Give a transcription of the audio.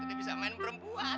gak bisa main perempuan